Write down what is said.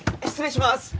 失礼します。